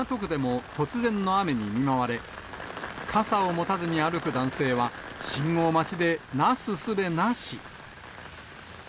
港区でも突然の雨に見舞われ、傘を持たずに歩く男性は、信号待ちで、なすすべなし。